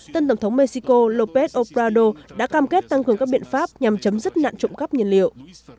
tân tổng thống mexico lópez obrado đã cam kết tăng hưởng các biện pháp nhằm chấm dứt nạn trộm cắp nhiên liệu